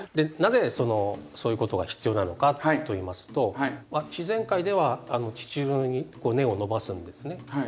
なぜそのそういうことが必要なのかといいますと自然界では地中にこう根を伸ばすんですね